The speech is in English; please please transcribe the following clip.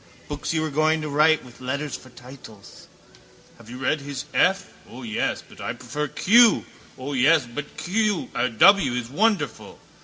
Books you were going to write with letters for titles. Have you read his F? O yes, but I prefer Q. Yes, but W is wonderful.